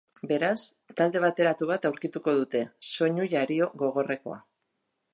Beraz, talde bateratu bat aurkituko dute, soinu jario gogorrekoa.